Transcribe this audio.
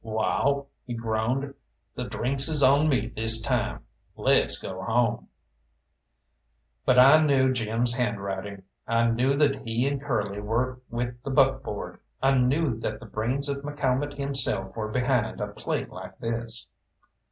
"Wall," he groaned, "the drinks is on me this time. Let's go home." But I knew Jim's handwriting, I knew that he and Curly were with the buckboard, I knew that the brains of McCalmont himself were behind a play like this.